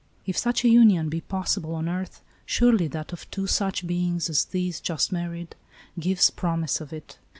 If such a union be possible on earth, surely that of two such beings as these just married gives promise of it.